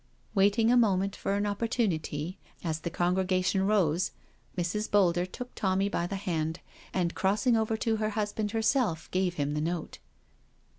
Waiting a moment for an opportunity, as the con gregation rose, Mrs. Boulder took Tommy by the hand, and crossing over to her husband herself gave him the note.